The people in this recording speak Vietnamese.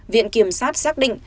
viện kiểm sát xác định